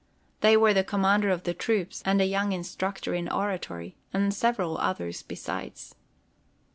They were the commander of the troops and a young instructor in oratory, and several others besides.